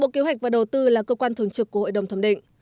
bộ kế hoạch và đầu tư là cơ quan thường trực của hội đồng thẩm định